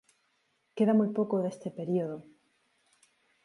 Queda muy poco de este período.